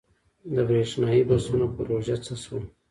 د بریښنايي بسونو پروژه څه شوه؟